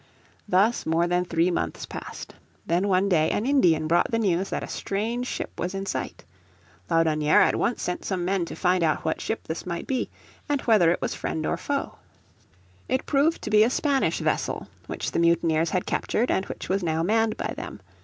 Thus more than three months passed. Then one day an Indian brought the news that a strange ship was in sight. Laudonnière at once sent some men to find out what ship this might be, and whether it was friend or foe. It proved to be a Spanish vessel which the mutineers had captured and which was now manned by them.